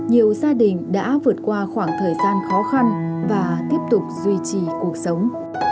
nhiều gia đình đã vượt qua khoảng thời gian khó khăn và tiếp tục duy trì cuộc sống